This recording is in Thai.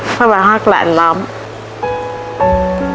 เพราะว่าหากหลานล้ำ